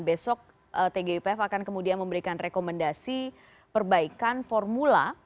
besok tgipf akan kemudian memberikan rekomendasi perbaikan formula